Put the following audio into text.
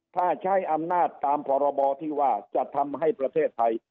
ถ้าใช้อำนาจตามพรบที่ว่าจะทำให้ประเทศไทย